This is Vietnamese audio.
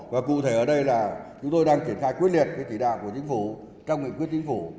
và cụ thể ở đây là chúng tôi đang triển khai quyết liệt cái tỷ đạc của chính phủ trong nghị quyết chính phủ